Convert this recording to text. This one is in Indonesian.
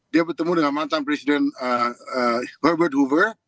dia bertemu dengan mantan presiden herbert hoover